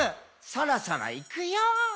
「そろそろいくよー」